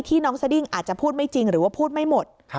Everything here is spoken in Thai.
น้องสดิ้งอาจจะพูดไม่จริงหรือว่าพูดไม่หมด